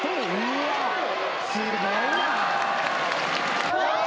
すごいなぁ。